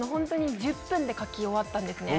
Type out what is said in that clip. １０分で描き終わったんですね。